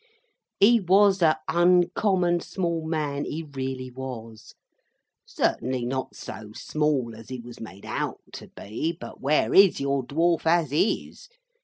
He was a uncommon small man, he really was. Certainly not so small as he was made out to be, but where is your Dwarf as is?